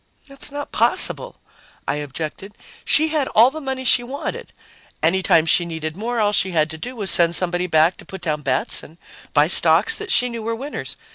"That's not possible," I objected. "She had all the money she wanted. Any time she needed more, all she had to do was send somebody back to put down bets and buy stocks that she knew were winners.